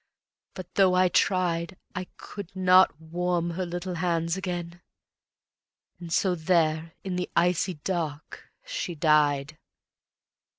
. but though I tried, I could not warm her little hands again: And so there in the icy dark she died.